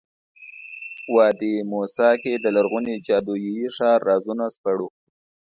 وادي موسی کې د لرغوني جادویي ښار رازونه سپړو.